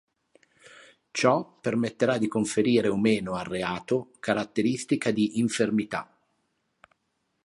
Ciò permetterà di conferire o meno al reato, caratteristica di "infermità".